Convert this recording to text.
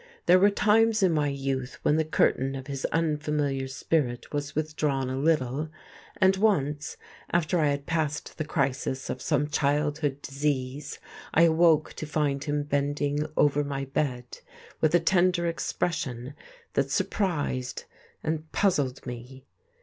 There were times in my youth when the curtain of his unfamiliar spirit was withdrawn a little: and once, after I had passed the crisis of some childhood disease, I awoke to find him bending over my bed with a tender expression that surprised and puzzled me.